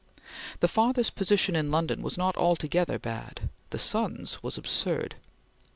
The father's position in London was not altogether bad; the son's was absurd.